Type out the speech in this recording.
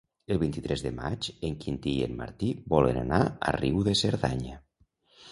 El vint-i-tres de maig en Quintí i en Martí volen anar a Riu de Cerdanya.